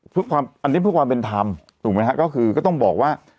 เพื่อความอันนี้เพื่อความเป็นธรรมถูกไหมฮะก็คือก็ต้องบอกว่า